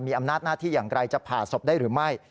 มีอำนาจหน้าที่อย่างไรจะผ่าศพได้หรือไม่